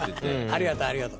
ありがとありがと。